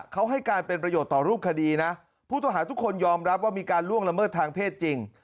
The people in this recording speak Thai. เขาให้การเป็นประโยชน์ต่อรูปคดีนะผู้ต้องหาทุกคนยอมรับว่ามีการล่วงละเมิดทางเพศจริง